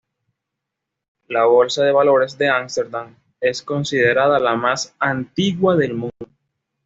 La Bolsa de Valores de Ámsterdam es considerada la más antigua del mundo.